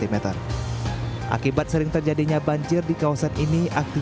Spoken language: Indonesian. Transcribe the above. ini akibatnya banjir yang terjadi di kawasan ini akhirnya terjadi banjir di kawasan ini akhirnya